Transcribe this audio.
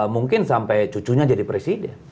mungkin sampai cucunya jadi presiden